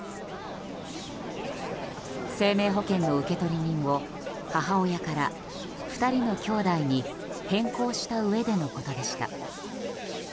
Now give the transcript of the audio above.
生命保険の受取人を母親から２人の兄妹に変更したうえでのことでした。